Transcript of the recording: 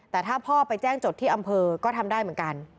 แต่ถ้าพ่อไปแจ้งจดที่อำเภอก็ทำได้เหมือนกัน